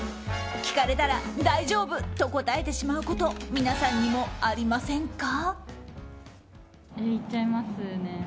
聞かれたら大丈夫！と答えてしまうこと皆さんにもありませんか？